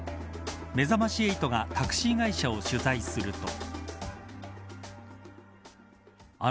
めざまし８がタクシー会社を取材すると。